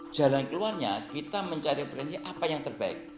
jalan keluarnya kita mencari referensi apa yang terbaik